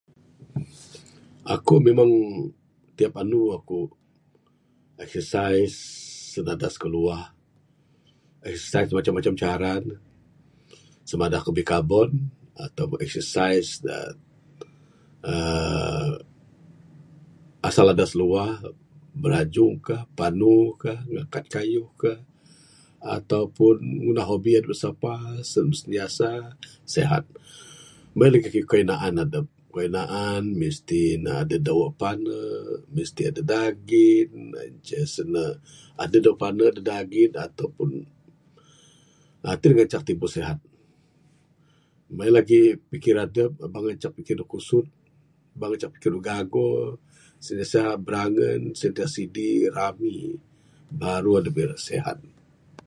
Aku memang tiap anu aku exercise sen adas ku luah. Exercise macam macam cara ne sama ada ku bikabon atau exercise da aaa asal adas luah, birajung ka panu ka, ngakat kayuh ka ato pun ngunah hobi adep sapa sen sentiasa sihat. Meng en lagih kayuh naan adep, kayuh naan ne mesti ne adeh dawe pane mesti adeh daging ce sen ce adeh dawe pane adeh daging ato pun ti da ngancak tibu sihat. Meng en lagih pikir adep , ba ngancak pikir adep kusut ba ngancak pikir dep gago sentiasa birangen sentiasa sidi sentiasa rami baru adep ira sihat.